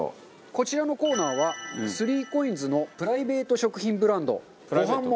こちらのコーナーは３ＣＯＩＮＳのプライベート食品ブランド「ごはんもん」です。